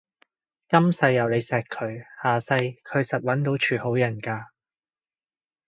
今世有你錫佢，下世佢實搵到住好人家